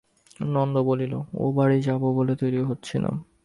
নন্দ বলিল, ও বাড়ি যাব বলে তৈরি হচ্ছিলাম।